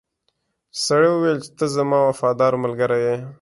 سړي وویل چې ته زما وفادار ملګری یې.